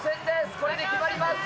これで決まります。